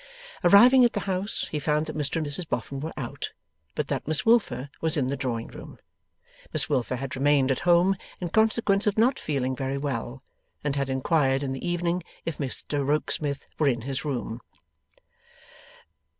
Arriving at the house, he found that Mr and Mrs Boffin were out, but that Miss Wilfer was in the drawing room. Miss Wilfer had remained at home, in consequence of not feeling very well, and had inquired in the evening if Mr Rokesmith were in his room.